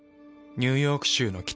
ニューヨーク州の北。